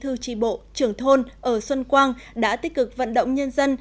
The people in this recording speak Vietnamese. nhiều năm qua những nữ bí thư trì bộ trưởng thôn ở xuân quang đã tích cực vận động nhân dân